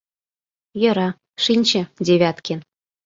Йӧра, шинче, Девяткин.